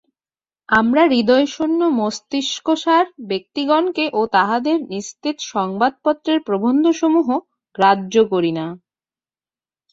আমরা হৃদয়শূন্য মস্তিষ্কসার ব্যক্তিগণকে ও তাহাদের নিস্তেজ সংবাদপত্রের প্রবন্ধসমূহও গ্রাহ্য করি না।